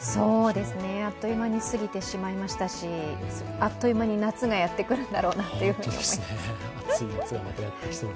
あっという間に過ぎてしまいましたし、あっという間に夏がやってくるんだろうなと思います。